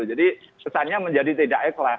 kesannya menjadi tidak ikhlas